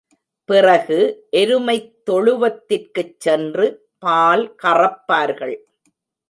பிறகு எருமைத் தொழுவத்திற்குச் சென்று பால் கறப்பார்கள்.